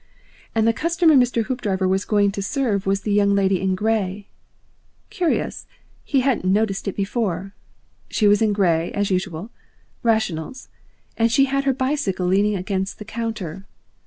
And the customer Mr. Hoopdriver was going to serve was the Young Lady in Grey. Curious he hadn't noticed it before. She was in grey as usual, rationals, and she had her bicycle leaning against the counter.